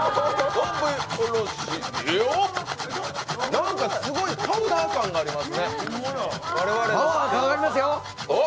なんかすごいパウダー感がありますね。